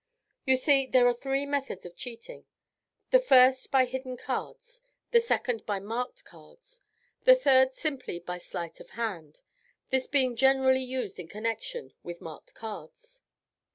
"You see, there are three methods of cheating: the first by hidden cards, the second by marked cards, the third simply by sleight of hand, this being generally used in connection with marked cards.